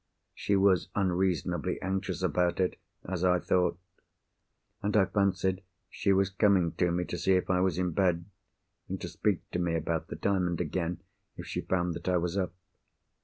She was unreasonably anxious about it, as I thought; and I fancied she was coming to me to see if I was in bed, and to speak to me about the Diamond again, if she found that I was up."